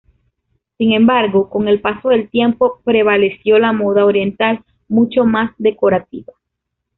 Sin embargo, con el paso del tiempo prevaleció la moda oriental, mucho más decorativa.